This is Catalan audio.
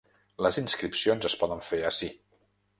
Les inscripcions es poden fer ací.